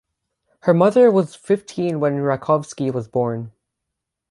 Her mother was fifteen when Rakovsky was born.